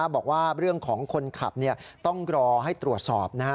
บอกว่าเรื่องของคนขับต้องรอให้ตรวจสอบ